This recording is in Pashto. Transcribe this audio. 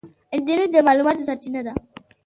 انټرنیټ د معلوماتو سرچینه ده.